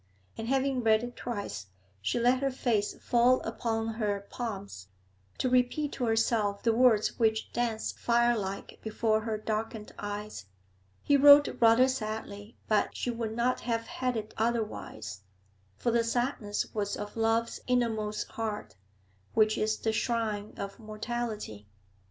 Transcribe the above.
And, having read it twice, she let her face fall upon her palms, to repeat to herself the words which danced fire like b re her darkened eyes. He wrote rather sadly, but she would not have had it otherwise, for the sadness was of love's innermost heart, which is the shrine of mortality.